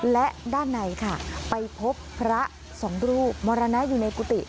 และด้านในค่ะไปพบพระสองรูปมรณะอยู่ในกุฏิ